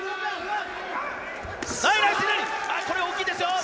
これは大きいですよ。